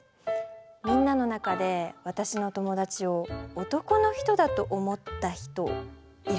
みんなの中で私の友達を男の人だと思った人いるかな？